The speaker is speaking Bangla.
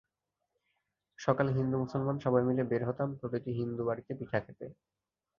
সকালে হিন্দু মুসলমান সবাই মিলে বের হতাম প্রতিটি হিন্দু বাড়িতে পিঠা খেতে।